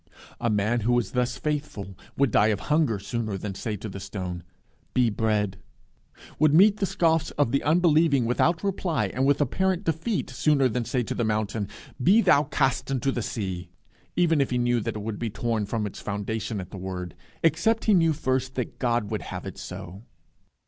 A man who was thus faithful would die of hunger sooner than say to the stone, Be bread; would meet the scoffs of the unbelieving without reply and with apparent defeat, sooner than say to the mountain, Be thou cast into the sea, even if he knew that it would be torn from its foundations at the word, except he knew first that God would have it so.